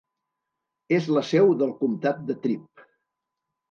És la seu del comtat de Tripp.